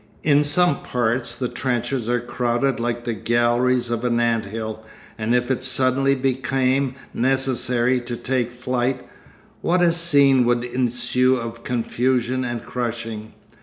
In some parts the trenches are crowded like the galleries of an ant hill, and if it suddenly became necessary to take flight, what a scene would ensue of confusion and crushing.